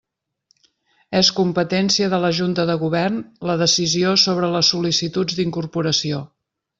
És competència de la Junta de Govern la decisió sobre les sol·licituds d'incorporació.